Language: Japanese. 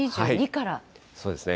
そうですね。